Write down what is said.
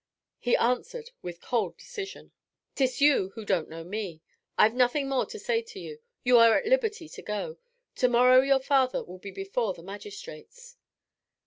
He answered with cold decision. 'It's you who don't know me. I've nothing more to say to you; you are at liberty to go. To morrow your father will be before the magistrates.'